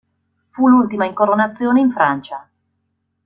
Fu l'ultima incoronazione in Francia.